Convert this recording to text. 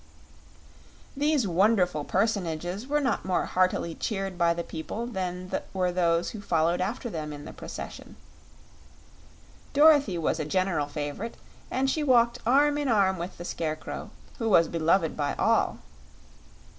These wonderful personages were not more heartily cheered by the people than were those who followed after them in the procession. Dorothy was a general favorite, and she walked arm in arm with the Scarecrow, who was beloved by all.